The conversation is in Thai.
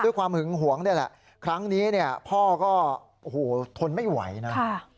ความหึงหวงนี่แหละครั้งนี้เนี่ยพ่อก็โอ้โหทนไม่ไหวนะ